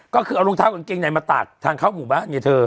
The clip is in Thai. คือเอารองเท้ากางเกงใหญ่มาตากทางเข้าส้มหมู่ปะเนี่ยเธอ